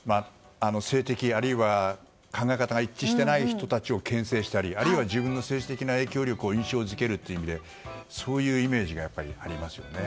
政敵、あるいは考え方が一致していない人を牽制したりあるいは自分の政治的な影響力を印象付けるという意味でそういうイメージがありますよね。